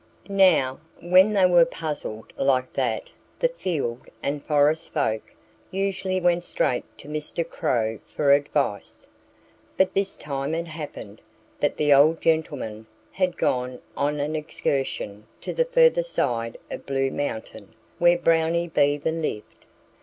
Now, when they were puzzled like that the field and forest folk usually went straight to Mr. Crow for advice. But this time it happened that the old gentleman had gone on an excursion to the further side of Blue Mountain, where Brownie Beaver lived.